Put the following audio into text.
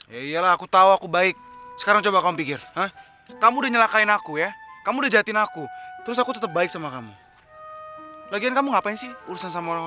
yaelah aku tau aku baik sekarang coba kamu pikir kamu udah nyelakain aku ya kamu udah jahatin aku terus aku tetep baik sama kamu lagian kamu ngapain sih urusan sama orang itu